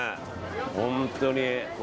本当に。